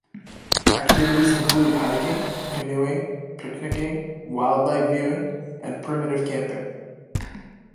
Activities include hiking, canoeing, picnicing, wildlife viewing and primitive camping.